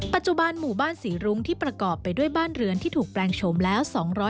ปัจจุบันหมู่บ้านศรีรุ้งที่ประกอบไปด้วยบ้านเรือนที่ถูกแปลงโฉมแล้ว